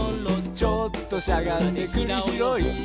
「ちょっとしゃがんでくりひろい」